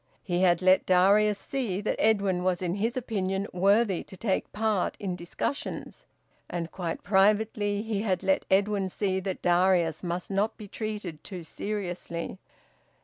He had let Darius see that Edwin was in his opinion worthy to take part in discussions, and quite privately he had let Edwin see that Darius must not be treated too seriously.